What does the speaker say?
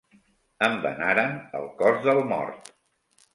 Embenaren el cos del mort.